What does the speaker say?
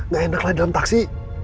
gak enak lah dalam taksi